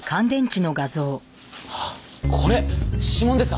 あこれ指紋ですか？